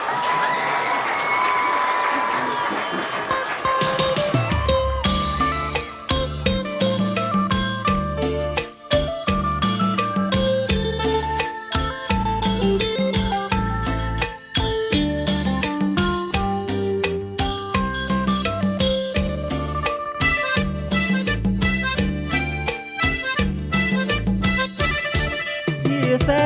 ขอบคุณค่ะ